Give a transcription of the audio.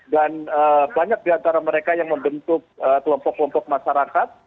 dan banyak di antara mereka yang membentuk kelompok kelompok masyarakat